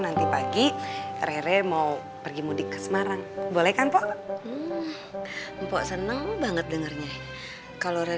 nanti pagi rere mau pergi mudik ke semarang boleh kan po seneng banget dengernya kalau